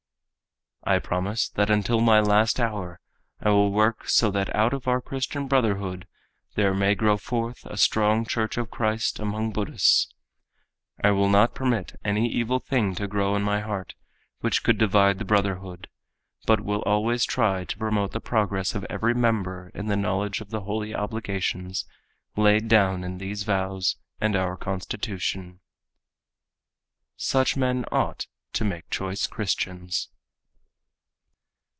"I promise that until my last hour I will work so that out of our Christian Brotherhood there may grow forth a strong church of Christ among Buddhists. I will not permit any evil thing to grow in my heart, which could divide the brotherhood, but will always try to promote the progress of every member in the knowledge of the holy obligations laid down in these vows and our constitution." Such men ought, to make choice Christians.